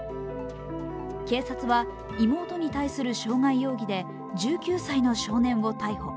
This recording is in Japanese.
警察は妹に対する傷害容疑で１９歳の少年を逮捕。